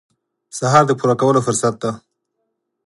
سهار د پوره کولو فرصت دی.